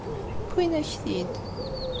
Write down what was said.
Wwin-ak-t-id.